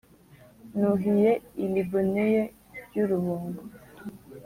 Nuhiye iliboneye ry'urubungo,